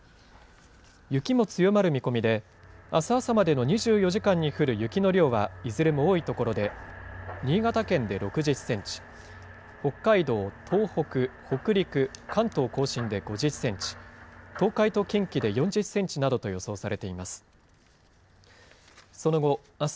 雪も強まる見込みで、あす朝までの２４時間に降る雪の量は、いずれも多い所で、新潟県で６０センチ、北海道、東北、北陸、関東甲信で５０センチ、東海と近畿で４０センチなどと予想されています。